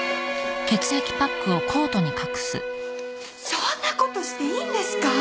そんなことしていいんですか！？